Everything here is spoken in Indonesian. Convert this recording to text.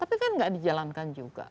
tapi kan nggak dijalankan juga